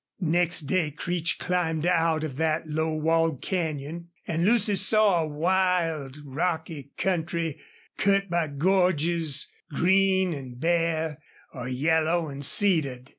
Next day Creech climbed out of that low walled canyon, and Lucy saw a wild, rocky country cut by gorges, green and bare, or yellow and cedared.